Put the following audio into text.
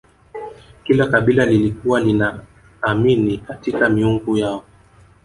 kila kabila lilikuwa linaamini katika miungu yao